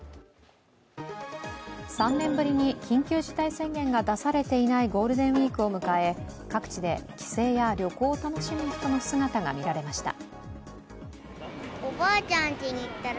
３年ぶりに緊急事態宣言が出されていないゴールデンウイークを迎え各地で帰省や旅行を楽しむ人の姿が見られました。